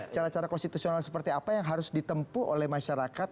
cara cara konstitusional seperti apa yang harus ditempu oleh masyarakat